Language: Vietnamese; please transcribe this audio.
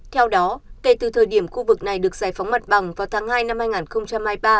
theo đó kể từ thời điểm khu vực này được giải phóng mặt bằng vào tháng hai năm hai nghìn hai mươi ba